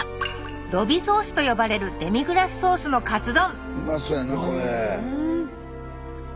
「ドビソース」と呼ばれるデミグラスソースのカツ丼